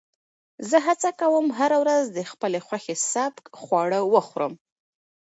زه هڅه کوم هره ورځ د خپل خوښې سپک خواړه وخورم.